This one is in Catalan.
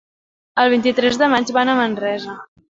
El vint-i-tres de maig van a Manresa.